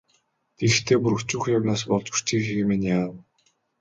Тэгэхдээ бүр өчүүхэн юмнаас болж үрчийхийг минь яана.